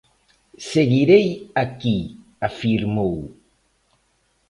"Seguirei aquí", afirmou.